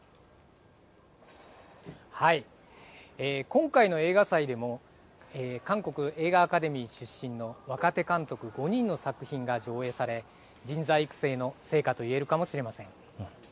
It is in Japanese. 今回の映画祭でも韓国映画アカデミー出身の若手監督５人の作品が上映され人材育成の成果と言えるかもしれません。